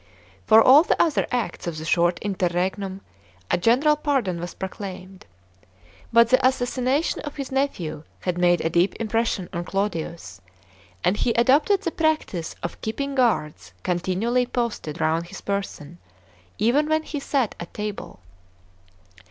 For all the other acts of the short interregnum a general pardon was proclaimed. But the assassination of his nephew had made a deep impression on Claudius, and he adopted the practice of keeping guards continually posted round his person, even when he sat at table.